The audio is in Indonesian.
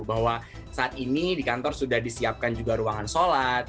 bahwa saat ini di kantor sudah disiapkan juga ruangan sholat